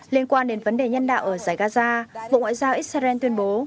liên quan đến vấn đề nhân đạo ở giải gaza bộ ngoại giao israel tuyên bố